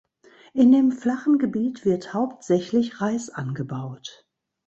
In dem flachen Gebiet wird hauptsächlich Reis angebaut.